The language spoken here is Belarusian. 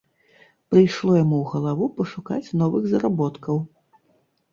Прыйшло яму ў галаву пашукаць новых заработкаў.